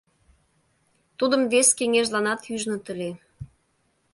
Тудым вес кеҥежланат ӱжыныт ыле.